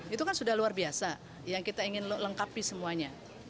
itu kan sudah luar biasa yang kita ingin lengkapi semuanya